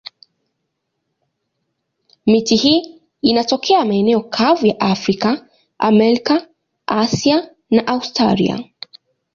Miti hii inatokea maeneo kavu ya Afrika, Amerika, Asia na Australia.